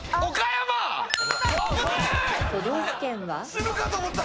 死ぬかと思った。